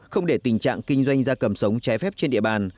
không để tình trạng kinh doanh gia cầm sống trái phép trên địa bàn